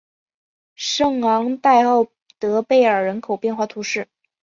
圣昂代奥德贝尔人口变化图示